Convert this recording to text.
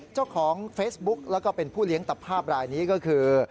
เจ้าของเฟซบุ๊กแล้วก็เป็นผู้เลี้ยงตับภาพรายนี้ก็คือ